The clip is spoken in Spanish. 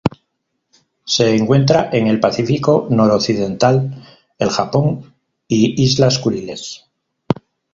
Se encuentra en el Pacífico noroccidental: el Japón y Islas Kuriles.